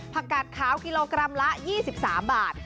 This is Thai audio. กาดขาวกิโลกรัมละ๒๓บาท